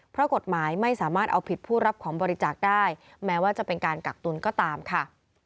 เพราะกฎหมายไม่สามารถเอาผิดผู้รับของบริจาคได้แม้ว่าจะเป็นการกักตุลก็ตามค่ะ